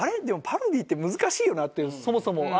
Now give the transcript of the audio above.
でもパロディって難しいよなっていうそもそも。